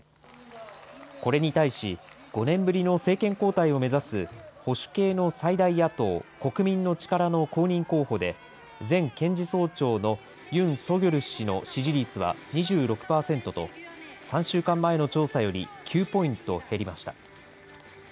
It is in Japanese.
これに対し、５年ぶりの政権交代を目指す保守系の最大野党・国民の力の公認候補で、前検事総長のユン・ソギョル氏の支持率は２６％と、３週間前の調査より９ポイント減りました。